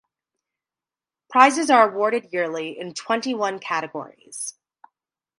Prizes are awarded yearly in twenty-one categories.